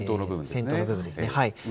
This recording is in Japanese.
先頭の部分ですね。